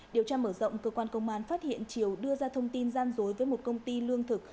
điều tra mở rộng cơ quan công an phát hiện triều đưa ra thông tin gian dối với một công ty lương thực